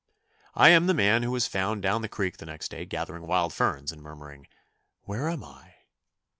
I am the man who was found down the creek the next day gathering wild ferns and murmuring, "Where am I?"